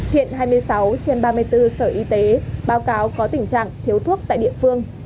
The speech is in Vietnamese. hiện hai mươi sáu trên ba mươi bốn sở y tế báo cáo có tình trạng thiếu thuốc tại địa phương